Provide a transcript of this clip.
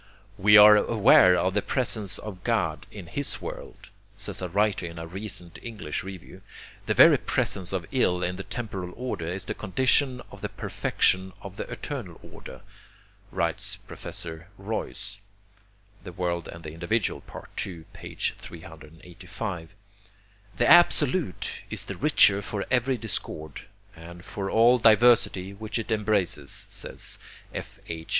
'We are aware of the presence of God in His world,' says a writer in a recent English Review. [The very presence of ill in the temporal order is the condition of the perfection of the eternal order, writes Professor Royce ('The World and the Individual,' II, 385).] 'The Absolute is the richer for every discord, and for all diversity which it embraces,' says F. H.